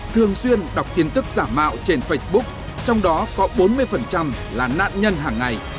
thường xuyên đọc tin tức giả mạo trên facebook trong đó có bốn mươi là nạn nhân hàng ngày